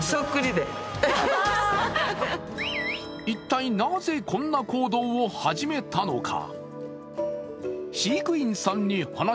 一体なぜこんな行動を始めたのか。